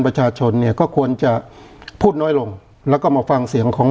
ประชาชนเนี่ยก็ควรจะพูดน้อยลงแล้วก็มาฟังเสียงของ